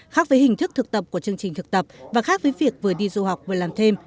khác với hình thức thực tập của chương trình thực tập và khác với việc vừa đi du học vừa làm thêm